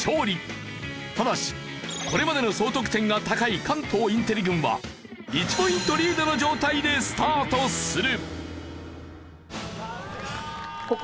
ただしこれまでの総得点が高い関東インテリ軍は１ポイントリードの状態でスタートする。